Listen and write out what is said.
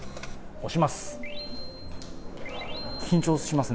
押します。